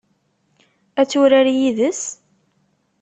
Ad turar yid-s?